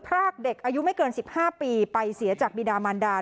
รากเด็กอายุไม่เกิน๑๕ปีไปเสียจากบิดามันดา